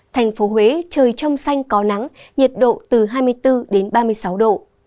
thành phố huế trời trong xanh có nắng nhiệt độ từ hai mươi bốn đến ba mươi sáu độ